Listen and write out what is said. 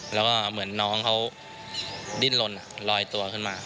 แล้วก็เหมือนน้องเขาดิ้นลนลอยตัวขึ้นมา